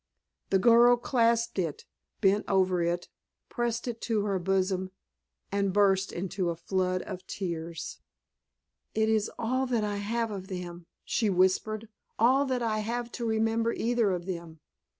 The girl clasped it, bent over it, pressed it to her bosom, and burst into a flood of tears. "It is all I have of them," she whispered, "all that I have to remember either of them.